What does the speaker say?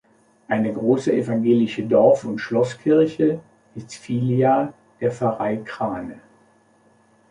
Eine große evangelische Dorf- und Schlosskirche ist Filia der Pfarrei Krahne.